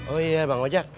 oh iya bang ojak